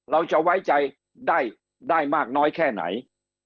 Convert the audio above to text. เราจะไว้ใจได้มากน้อยแค่ไหน